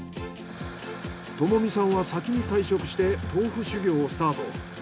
友実さんは先に退職して豆腐修業をスタート。